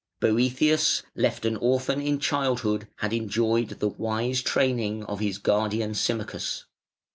Boëthius, left an orphan in childhood, had enjoyed the wise training of his guardian Symmachus.